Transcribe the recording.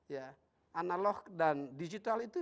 ya analog dan digital itu